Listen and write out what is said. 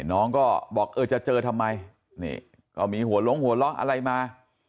น้องก็บอกจะเจอทำไมก็มีหัวล้องหัวล้องอะไรมา